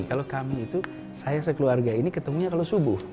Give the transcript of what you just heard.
kalau kami itu saya sekeluarga ini ketemunya kalau subuh